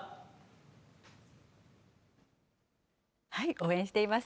応援しています。